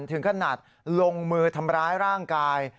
ถึงขนาดลงมือทำร้ายร่างกาย